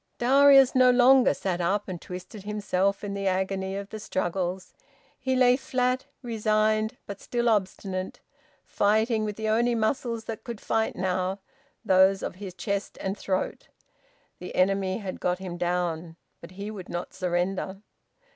Darius no longer sat up and twisted himself in the agony of the struggles. He lay flat, resigned but still obstinate, fighting with the only muscles that could fight now, those of his chest and throat. The enemy had got him down, but he would not surrender.